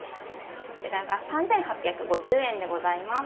こちらが３８５０円でございます。